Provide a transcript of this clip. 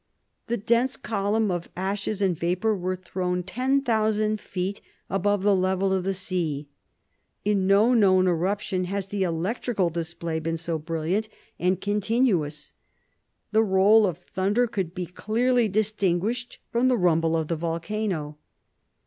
The dense column of ashes and vapor was thrown ten thousand feet above the level of the sea. In no known eruption has the electrical display been so brilliant and continuous. The roll of thunder could be clearly distinguished from the rumble of the volcano.